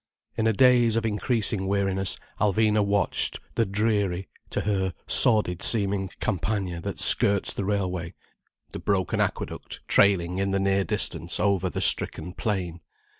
In a daze of increasing weariness Alvina watched the dreary, to her sordid seeming Campagna that skirts the railway, the broken aqueduct trailing in the near distance over the stricken plain.